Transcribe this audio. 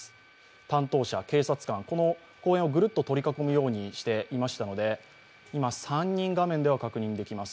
担当者、警察官、この公園をぐるっと取り囲むようにしていましたので今３人、画面では確認できます。